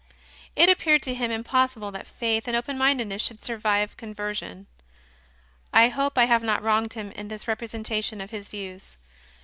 It appeared to him impossible that faith and open mindedness should survive conversion. I hope I have not wronged him in this representation of his views.